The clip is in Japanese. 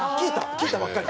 聞いたばっかり。